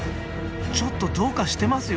ちょっとどうかしてますよ。